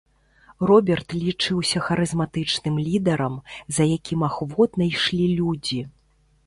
Роберт лічыўся харызматычным лідарам, за якім ахвотна ішлі людзі.